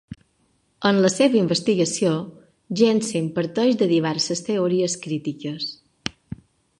En la seva investigació, Jensen parteix de diverses teories crítiques.